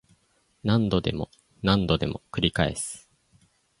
何度でも何度でも繰り返す